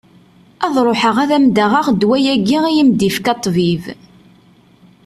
Ad ruḥeɣ ad am-d-aɣeɣ ddwa-agi i ak-d-yefka ṭṭbib.